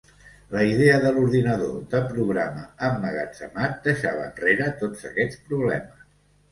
La idea de l'ordinador de programa emmagatzemat deixava enrere tots aquests problemes.